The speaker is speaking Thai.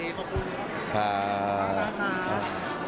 ขอบคุณครับ